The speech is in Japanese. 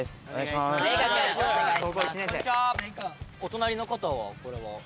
お隣の方はこれは？